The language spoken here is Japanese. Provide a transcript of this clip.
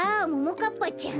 かっぱちゃん。